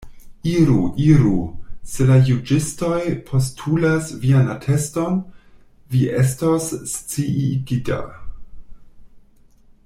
Iru, iru; se la juĝistoj postulas vian ateston, vi estos sciigita.